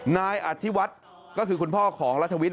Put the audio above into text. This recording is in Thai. นายอธิวัฒน์ก็คือคุณพ่อของรัฐวิทย